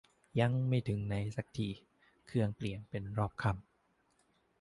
ยังไม่ถึงไหนซักที เครื่องเปลี่ยนเป็นรอบค่ำ